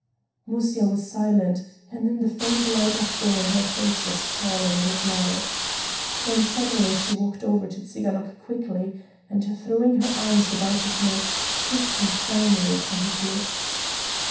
Musya was silent, and in the faint light of dawn her face was pale and enigmatic. Then suddenly she walked over to Tsiganok quickly, and, throwing her arms about his neck, kissed him firmly upon his lips.